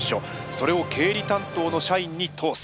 それを経理担当の社員に通す。